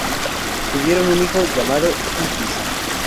Tuvieron un hijo, llamado Itis.